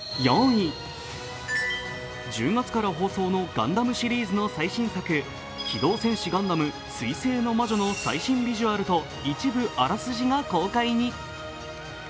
１０月から放送のガンダムシリーズの最新作「機動戦士ガンダム水星の魔女」の最新ビジュアルと、一部あらすじが公開に。